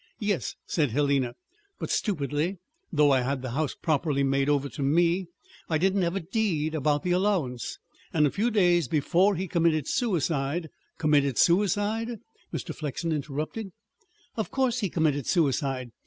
"Yes," said Helena. "But stupidly, though I had the house properly made over to me, I didn't have a deed about the allowance. And a few days before he committed suicide " "Committed suicide?" Mr. Flexen interrupted. "Of course he committed suicide.